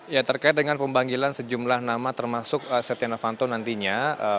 ya terkait dengan pembagian sejumlah nama termasuk setia novanto nantinya